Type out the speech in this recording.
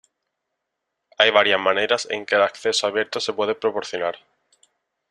Hay varias maneras en que el acceso abierto se puede proporcionar.